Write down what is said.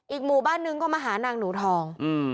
หมู่บ้านนึงก็มาหานางหนูทอง